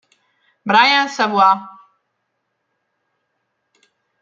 Brian Savoy